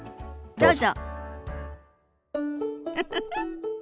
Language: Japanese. どうぞ。